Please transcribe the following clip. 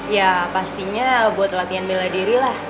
ya pastinya buat latihan bela diri lah